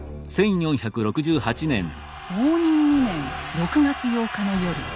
応仁２年６月８日の夜。